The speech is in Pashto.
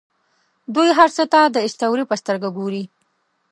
دوی هر څه ته د اسطورې په سترګه ګوري.